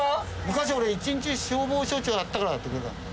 昔俺一日消防署長やったからやってくれたんだな。